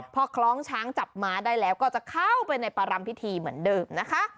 พอคล้องช้างจับม้าได้แล้วก็จะเข้าไปในประรำพิธีเหมือนเดิมนะคะ